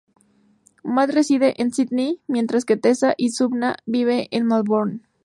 Matt reside en Sídney mientras que Tessa y Susannah viven en Melbourne.